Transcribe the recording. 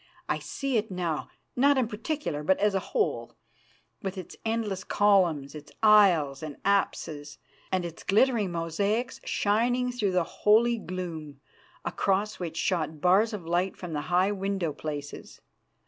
I see it now, not in particular, but as a whole, with its endless columns, its aisles and apses, and its glittering mosaics shining through the holy gloom, across which shot bars of light from the high window places.